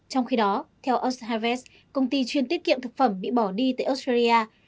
trong khi đó theo oats harvest công ty chuyên tiết kiệm thực phẩm bị bỏ đi tại australia